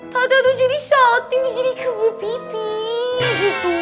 tata tuh jadi shouting jadi kebel pipi gitu